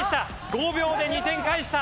５秒で２点返した。